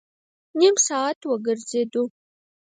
نیم ساعت وګرځېدو.